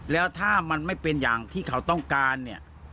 แล้วถ้ามันไม่เป็นอย่างที่เขาต้องการเนี่ย